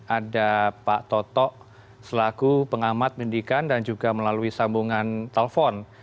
ada pak toto selaku pengamat pendidikan dan juga melalui sambungan telepon